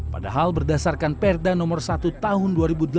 padahal berdasarkan perda nomor satu tahun dua ribu delapan belas